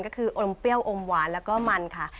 ก็คืออมเปรี้ยวอมหวานแล้วก็มันค่ะ